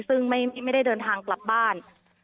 ซึ่งไม่ได้เดินทางกลับบ้าน